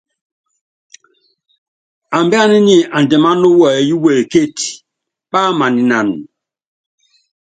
Ambíaná nyi andimáná wɛyí wekétí, pámaninan.